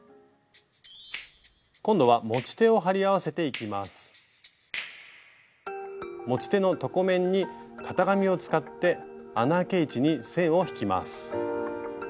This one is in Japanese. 今度は持ち手の床面に型紙を使って穴あけ位置に線を引きます。